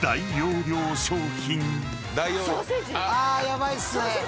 ヤバいっすね。